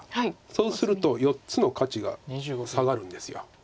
そうすると４つの価値が下がるんです。